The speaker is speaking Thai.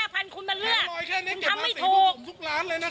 ผมเละเลยเนี่ย